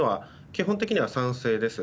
基本的には賛成です。